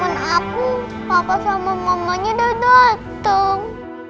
temen temen aku papa sama mamanya udah datang